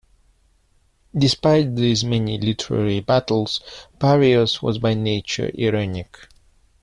Despite these many literary battles, Pareus was by nature irenic.